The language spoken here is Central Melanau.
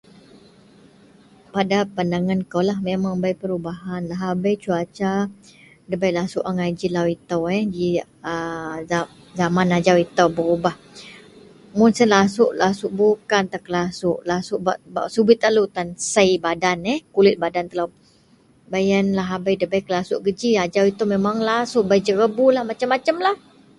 Pada pandangan kou lah memang bei perubahan lahabei debai lasu angai ji lau ito jaman ajau ito bei berubah mun sien lasu bukan tan kelasu lasu bak subet lalu tan siee badan kulit telo, lahabei debai ke jian ji ajau mun lasu angai bei jerebulah macam lah